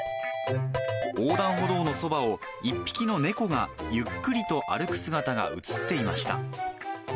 横断歩道のそばを、１匹の猫がゆっくりと歩く姿が写っていました。